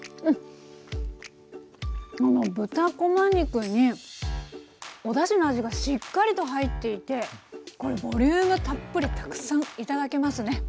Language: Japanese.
豚こま肉におだしの味がしっかりと入っていてこれボリュームたっぷりたくさん頂けますね！